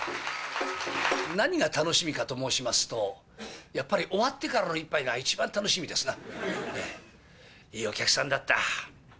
何が楽しみかと申しますと、やっぱり終わってからの一杯が一番楽しみですな。